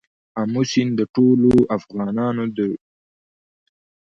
آمو سیند د ټولو افغانانو ژوند اغېزمن کوي.